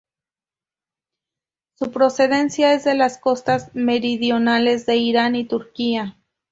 Su procedencia es de las costas meridionales de Irán y Turquía.